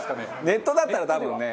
ネットだったら多分ね。